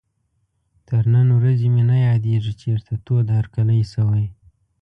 تر نن ورځې مې نه یادېږي چېرته تود هرکلی شوی.